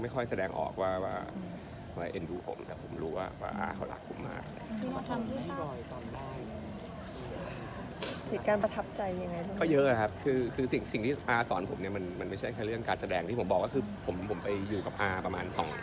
เค้าไม่ค่อยแสดงออกว่า